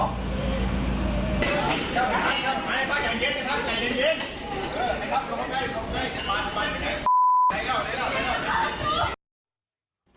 นอกผมไว้ด้วยนอก